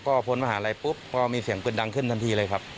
ก็พ้นมหาลัยปุ๊บก็มีเสียงปืนดังขึ้นทันทีเลยครับ